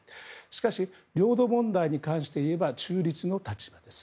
しかし、領土問題に関していえば中立の立場です。